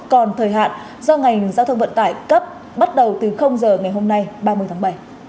còn thời hạn do ngành giao thông vận tải cấp bắt đầu từ giờ ngày hôm nay ba mươi tháng bảy